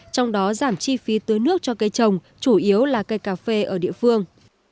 trong đó giảm chi phí tưới nước cho cây trồng chủ yếu là cây cà phê ở địa phương